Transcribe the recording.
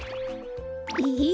ええ？